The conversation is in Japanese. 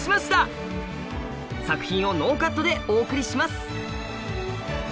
作品をノーカットでお送りします。